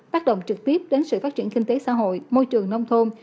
tác động trực tiếp đến sự phát triển kinh tế xã hội môi trường nông thôn